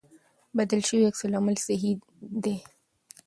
بدل شوي عکس العملونه صحي دي.